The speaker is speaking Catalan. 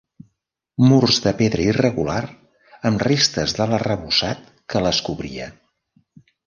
Murs de pedra irregular amb restes de l'arrebossat que les cobria.